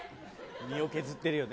身を削ってるよね。